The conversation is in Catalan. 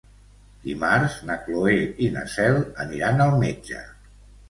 Dimarts na Cloè i na Cel aniran al metge.